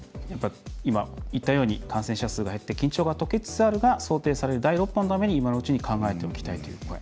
今、言ったように「感染者数が減って、緊張が解けつつあるが、想定される第６波のために今のうちに考えておきたい」という声。